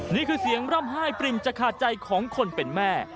นี่คือเสียงร่ำไห้ปริ่มจะขาดใจของคนเป็นแม่